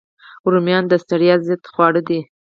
رومیان د ستړیا ضد خواړه دي